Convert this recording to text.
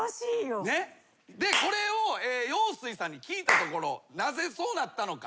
でこれを陽水さんに聞いたところなぜそうなったのか？